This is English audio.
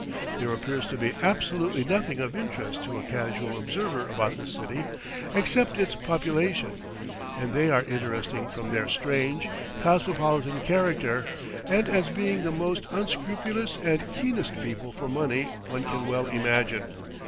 There appears to be absolutely nothing of interest to a casual observer about the city except its population, and they are interesting from their strange, cosmopolitan character, and as being the most unscrupulous and keenest people for money one can well imagine.